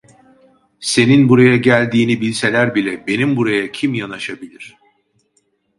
Senin buraya geldiğini bilseler bile, benim buraya kim yanaşabilir?